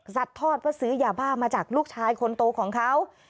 ทอดว่าซื้อยาบ้ามาจากลูกชายคนโตของเขา